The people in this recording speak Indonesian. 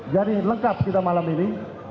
jadi lengkap kita malam ini